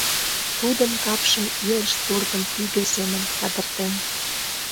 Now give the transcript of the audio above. Тудын капшым илыш тургым пӱгӧ семын кадыртен…